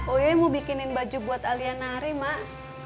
oya yang mau bikinin baju buat alia nari mak